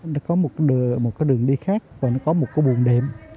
nó có một cái đường đi khác và nó có một cái buồn đệm